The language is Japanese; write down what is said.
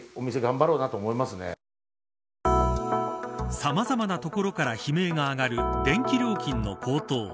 さまざまな所から悲鳴が上がる電気料金の高騰。